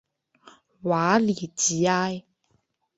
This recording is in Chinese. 瓦利吉埃。